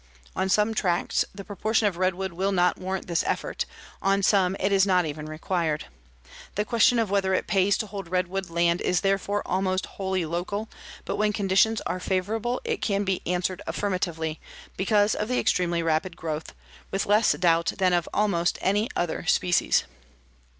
On some tracts the proportion of redwood will not warrant this effort; on some it is not even required. The question of whether it pays to hold redwood land is therefore almost wholly local, but when conditions are favorable it can be answered affirmatively, because of the extremely rapid growth, with less doubt than of almost any other species.